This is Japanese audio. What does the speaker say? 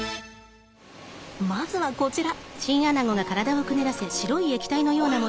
まずはこちら。